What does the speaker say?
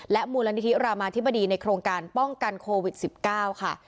มูลนิธิรามาธิบดีในโครงการป้องกันโควิด๑๙ค่ะ